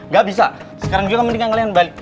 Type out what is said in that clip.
gak bisa sekarang juga mendingan kalian balik